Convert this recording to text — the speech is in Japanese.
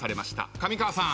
上川さん